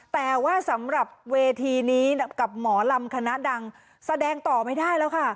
แต่ว่าสำหรับเวทีนี้กับหมอลำคณะดังแสดงต่อไม่ได้แล้วค่ะ